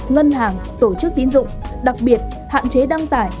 ngân hàng tổ chức tín dụng đặc biệt hạn chế đăng tải